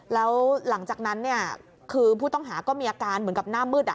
แล้วหลังจากนั้นคือผู้ต้องหาก็มีอาการเหมือนกับหน้ามืด